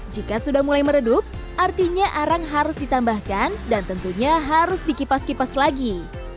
jika sudah mulai meredup artinya arang harus ditambahkan dan tentunya harus dikipas kipas lagi